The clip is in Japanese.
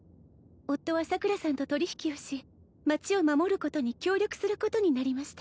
夫は桜さんと取り引きをし町を守ることに協力することになりました